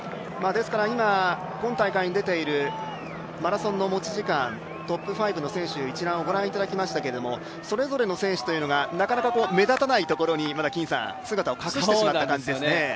今、今大会に出ているマラソンの持ち時間、トップ５の選手一覧をご覧いただきましたけどもそれぞれの選手というのがなかなか目立たないところに姿を隠してしまった感じですね。